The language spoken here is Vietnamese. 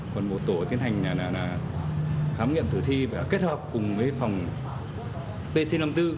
còn một tổ tiến hành khám nghiệm tử thi và kết hợp cùng với phòng pc năm mươi bốn